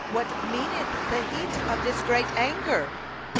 what meaneth the heat of this great anger?